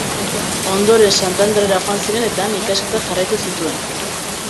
Ondoren, Santanderrera joan ziren eta han ikasketak jarraitu zituen.